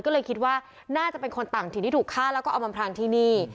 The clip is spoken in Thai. ก็เลยคิดว่าน่าจะเป็นคนต่างถิ่นที่ถูกฆ่าแล้วก็เอามาพรางที่นี่